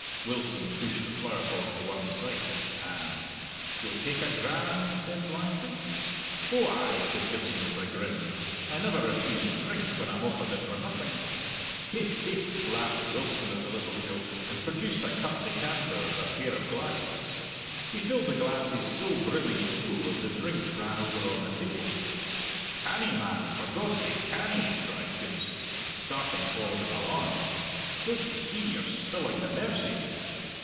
Wilson pushed the flowerpot to one side, and "You'll take a dram?" he said blithely. "Oh ay," said Gibson with a grin; "I never refuse drink when I'm offered it for nothing." "Hi! hi!" laughed Wilson at the little joke, and produced a cut decanter and a pair of glasses. He filled the glasses so brimming full that the drink ran over on the table. "Canny, man, for God's sake canny!" cried Gibson, starting forward in alarm. "Don't ye see you're spilling the mercies?"